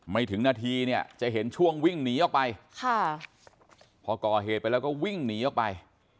ถึงนาทีเนี่ยจะเห็นช่วงวิ่งหนีออกไปค่ะพอก่อเหตุไปแล้วก็วิ่งหนีออกไป